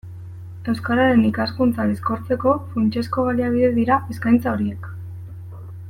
Euskararen ikaskuntza bizkortzeko funtsezko baliabide dira eskaintza horiek.